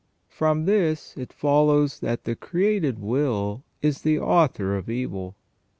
From this it follows that the created will is the author of evil.